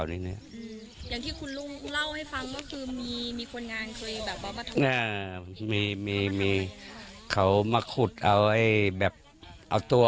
อย่างที่คุณลุงเล่าให้ฟังว่าคุณมีคนงานเคยอะไรมาทำ